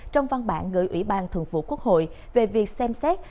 trong văn bản ngợi ủy ban thượng vụ quốc hội về việc xem xét